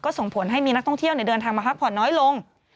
ส่งผลให้มีนักท่องเที่ยวเดินทางมาพักผ่อนน้อยลง